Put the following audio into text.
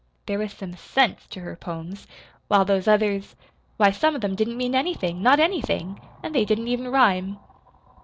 There was some SENSE to her poems, while those others why, some of them didn't mean anything, not anything! and they didn't even rhyme!